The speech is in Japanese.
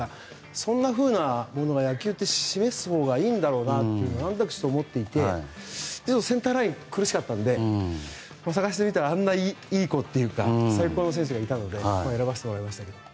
そんなようなことを野球って示すほうがいいんだろうなって何となく思っていてセンターラインが苦しかったので探してみたらあんなにいい子っていうか最高の選手がいたので選ばせてもらいました。